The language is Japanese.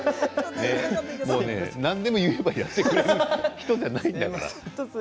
何でも言えばやってくれる人じゃないから。